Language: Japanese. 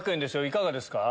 いかがですか？